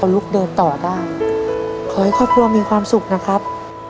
ลุกเดินต่อได้ขอให้ครอบครัวมีความสุขนะครับ